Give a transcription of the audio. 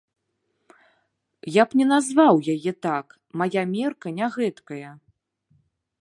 Я б не назваў яе так, мая мерка не гэткая.